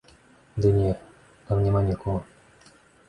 Ды не, там няма нікога!